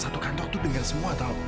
satu kantor tuh denger semua tau